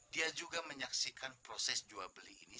dia juga menyaksikan proses jual beli ini